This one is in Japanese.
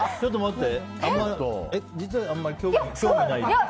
実はあんまり興味ない？